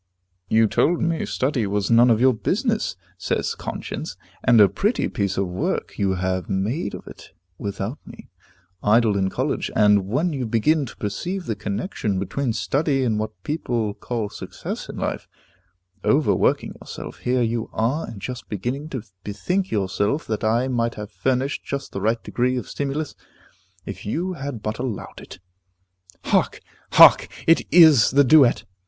"You told me study was none of my business," says Conscience, "and a pretty piece of work you have made of it without me. Idle in college, and, when you began to perceive the connection between study and what people call success in life, overworking yourself, here you are, and just beginning to bethink yourself that I might have furnished just the right degree of stimulus, if you had but allowed it." Hark! hark! It is the duet!